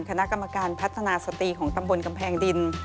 คณะกรรมการพัฒนาสตรีของตำบลกำแพงดิน